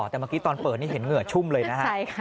แต่เมื่อกี้ตอนเปิดนี่เห็นเหงื่อชุ่มเลยนะฮะ